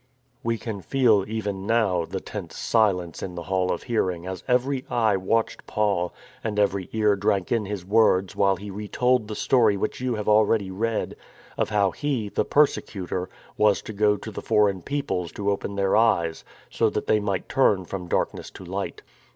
" We can feel, even now, the tense silence in the Hall of Hearing as every eye watched Paul and every ear drank in his words while he retold the story which you have already read, of how he, the persecutor, was to go to the foreign peoples to open their eyes, so that they might turn from darkness to^ light.